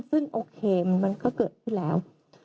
ซึ่งโอเคมันก็เกิดขึ้นแล้ว